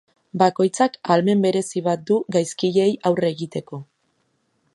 Bakoitzak ahalmen berezi bat du gaizkileei aurre egiteko.